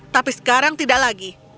tapi sekarang tidak lagi